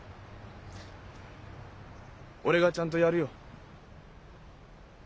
俺がちゃんとやるよ。